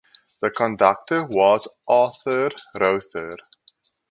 The conductor was Artur Rother.